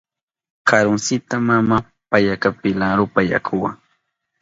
Karuntsita mama payaka pilan rupa yakuwa.